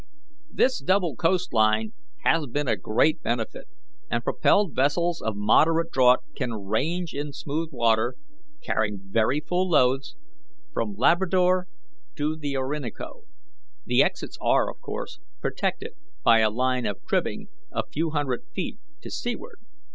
This double coast line has been a great benefit, and propelled vessels of moderate draught can range in smooth water, carrying very full loads, from Labrador to the Orinoco. The exits are, of course, protected by a line of cribbing a few hundred feet to seaward.